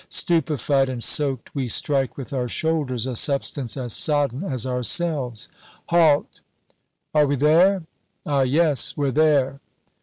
Stupefied and soaked, we strike with our shoulders a substance as sodden as ourselves. "Halt!" "Are we there?" "Ah, yes, we're there!"